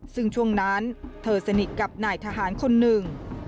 ซึ่งช่วงนั้นเธอสนิทกับนายทหารคนหนึ่ง